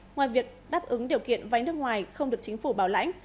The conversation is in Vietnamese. ngoài việc đáp ứng điều kiện vay nước ngoài không được chính phủ bảo lãnh